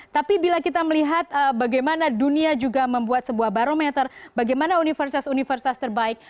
tapi bila kita melihat bagaimana dunia juga membuat sebuah barometer bagaimana universitas universitas terbaik